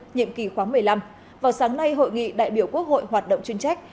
nhiệm kỳ khóa một mươi năm vào sáng nay hội nghị đại biểu quốc hội hoạt động chuyên trách